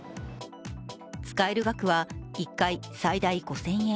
使える額は１回最大５０００円。